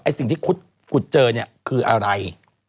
สิ่งที่ขุดเจอเนี่ยคืออะไร